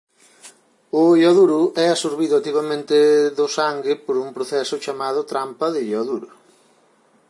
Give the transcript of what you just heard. O ioduro é absorbido activamente do sangue por un proceso chamado trampa de ioduro.